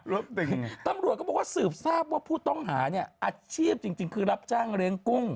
รวบตึงตำรวจก็บอกว่าสืบทราบว่าผู้ต้องหาเนี่ยอาชีพจริงจริงคือรับจ้างเรนกุ้ง